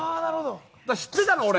知ってたの、俺。